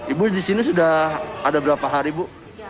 sekitar dua belas rumah ibu di sini sudah ada berapa hari ibu